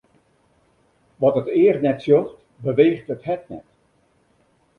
Wat it each net sjocht, beweecht it hert net.